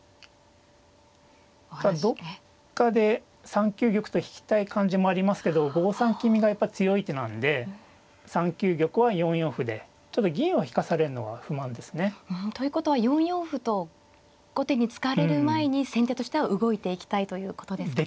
どっかで３九玉と引きたい感じもありますけど５三金右がやっぱり強い手なんで３九玉は４四歩でちょっと銀を引かされるのは不満ですね。ということは４四歩と後手に突かれる前に先手としては動いていきたいということですか。